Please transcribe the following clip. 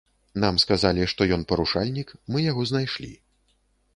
Нам сказалі, што ён парушальнік, мы яго знайшлі.